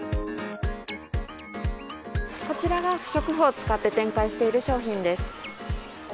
こちらが不織布を使って展開している商品です。